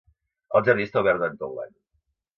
El jardí està obert durant tot l'any.